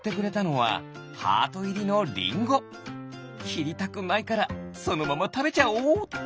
きりたくないからそのままたべちゃおうっと。